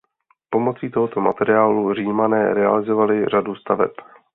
Pomocí tohoto materiálu Římané realizovali řadu staveb.